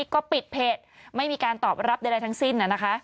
ก็ปิดเพจไม่มีการตอบรับใดทั้งสิ้น